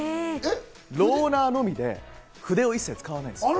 ローラーのみで筆を一切、使わないんです。